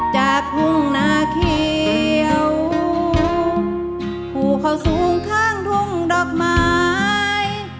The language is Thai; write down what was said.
จากทุ่งนาเขียวผู้เข้าสูงข้างทุ่งดอกไม้